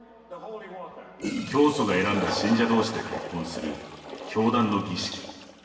教祖が選んだ信者同士で結婚する教団の儀式。